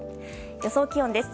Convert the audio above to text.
予想気温です。